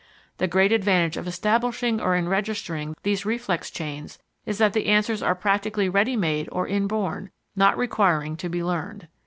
The great advantage of establishing or enregistering these reflex chains is that the answers are practically ready made or inborn, not requiring to be learned.